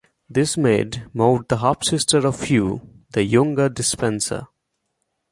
This made Maud the half-sister of Hugh the younger Despenser.